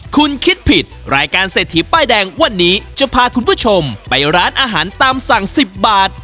คุณคิดผิดรายการเศรษฐีป้ายแดงวันนี้จะพาคุณผู้ชมไปร้านอาหารตามสั่ง๑๐บาท